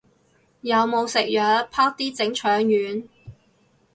有冇食藥，啪啲整腸丸